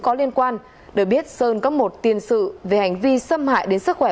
có liên quan để biết sơn có một tiền sự về hành vi xâm hại đến sức khỏe